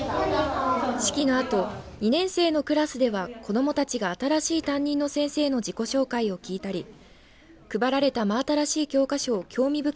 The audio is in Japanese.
式のあと２年生のクラスでは子どもたちが新しい担任の先生の自己紹介を聞いたり配られた真新しい教科書を興味